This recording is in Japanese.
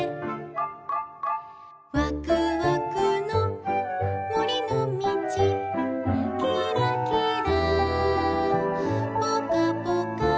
「わくわくのもりのみち」「きらきらぽかぽか」